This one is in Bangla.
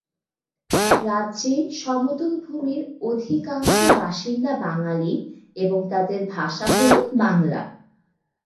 রাজ্যের সমতল ভূমির অধিকাংশ বাসিন্দা বাঙালি এবং তাদের ভাষা হল বাংলা।